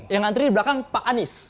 yang antri di belakang pak anies